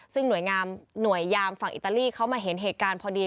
ซึ่งหน่วยยามฝั่งอิตาลีเขามาเห็นเหตุการณ์พอดี